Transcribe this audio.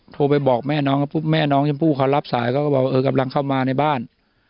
โทรไปบอกแม่น้องแม่น้องชมพู่เขารับสายเขาก็บอกเออกำลังเข้ามาในบ้าน